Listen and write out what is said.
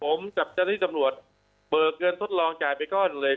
ผมกับเจ้าหน้าที่ตำรวจเบิกเงินทดลองจ่ายไปก้อนเลย